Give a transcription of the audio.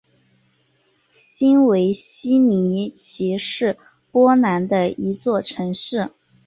新维希尼奇是波兰的一座城市。